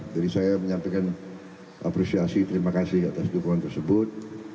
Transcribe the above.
jadi saya menyampaikan apresiasi terima kasih atas dukungan tersebut